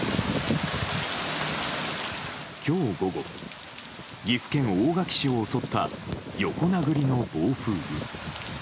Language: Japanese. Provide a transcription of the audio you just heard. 今日午後岐阜県大垣市を襲った横殴りの暴風雨。